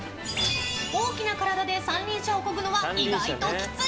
大きな体で三輪車をこぐのは意外ときつい！